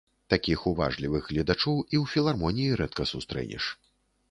Такіх уважлівых гледачоў і ў філармоніі рэдка сустрэнеш.